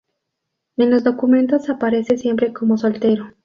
En los documentos aparece siempre como soltero.